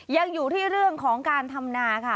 ยังอยู่ที่เรื่องของการทำนาค่ะ